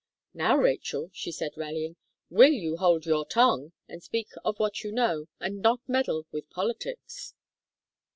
"Now, Rachel," she said, rallying, "will you hold your tongue, and speak of what you know, and not meddle with politics."